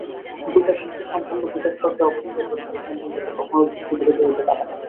বিচার-শক্তির সম্পূর্ণ বিকাশপ্রাপ্ত অবস্থাই প্রাতিভ জ্ঞান, কিন্তু তা কখনও যুক্তিবিরোধী হতে পারে না।